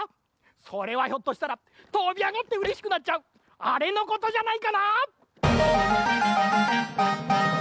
それはひょっとしたらとびあがってうれしくなっちゃうあれのことじゃないかな？